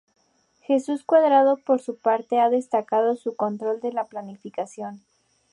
Jesús Cuadrado, por su parte, ha destacado su ""control de la planificación"".